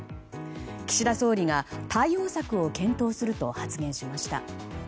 岸田総理が対応策を検討すると発言しました。